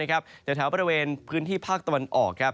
แถวบริเวณพื้นที่ภาคตะวันออก